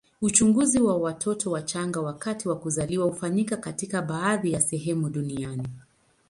Uchunguzi wa watoto wachanga wakati wa kuzaliwa hufanyika katika baadhi ya sehemu duniani.